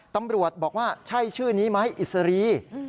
ตำรวจบอกว่าใช่ชื่อนี้ไหมอิสรี